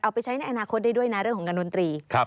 ไปใช้ในอนาคตได้ด้วยนะเรื่องของการดนตรี